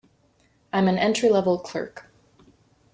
I'm an entry-level clerk.